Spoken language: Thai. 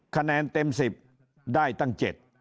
คะแนนเต็ม๑๐ได้ตั้ง๗